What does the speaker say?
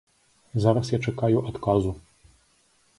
Зараз я чакаю адказу.